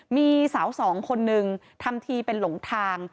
มีสาวสองคนนึงทำทีเป็นหลงทาง